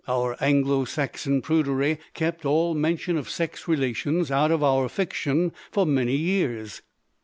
Our Anglo Saxon prudery kept all mention of sex relations out of our fiction for many years.